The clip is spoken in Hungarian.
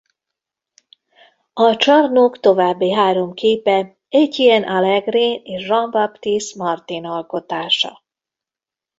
A csarnok további három képe Étienne Allegrain és Jean-Baptiste Martin alkotása.